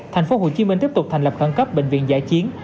tp hcm tiếp tục thành lập khẳng cấp bệnh viện giải chiến